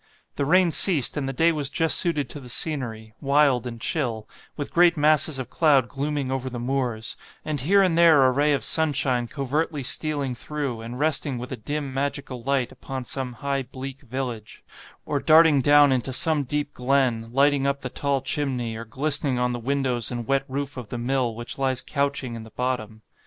The rain ceased, and the day was just suited to the scenery, wild and chill, with great masses of cloud glooming over the moors, and here and there a ray of sunshine covertly stealing through, and resting with a dim magical light upon some high bleak village; or darting down into some deep glen, lighting up the tall chimney, or glistening on the windows and wet roof of the mill which lies couching in the bottom.